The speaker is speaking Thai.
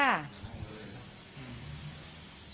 อือ